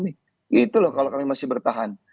itu loh kalau kami masih bertahan